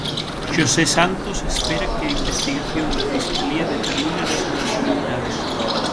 Xosé Santos espera que a investigación da Fiscalía determine responsabilidades.